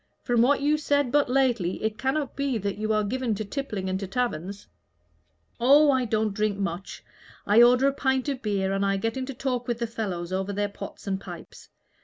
From what you said but lately, it cannot be that you are given to tippling and to taverns." "Oh, I don't drink much. I order a pint of beer, and I get into talk with the fellows over their pots and pipes.